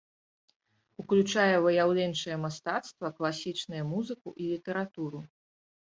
Уключае выяўленчае мастацтва, класічныя музыку і літаратуру.